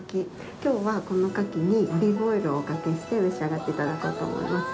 きょうは、この牡蠣にオリーブオイルをおかけして召し上がっていただこうと思います。